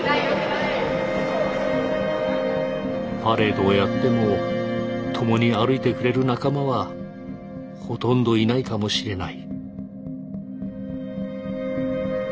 パレードをやっても共に歩いてくれる仲間はほとんどいないかもしれない。